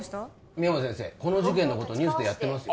深山先生この事件のことニュースでやってますよ